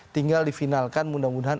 tinggal difinalkan mudah mudahan